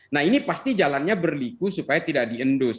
nah ini pasti jalannya berliku supaya tidak diendus